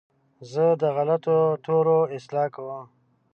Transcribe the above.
زه د غلطو تورو اصلاح کوم.